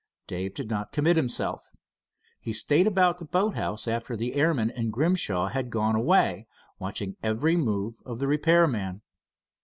Dave did not commit himself. He stayed about the boat house after the airman and Grimshaw had gone away, watching every move of the repair man.